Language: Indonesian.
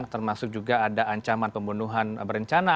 termasuk juga ada ancaman pembunuhan berencana